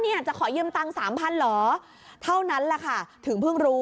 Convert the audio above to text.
เนี่ยจะขอยืมตังค์สามพันเหรอเท่านั้นแหละค่ะถึงเพิ่งรู้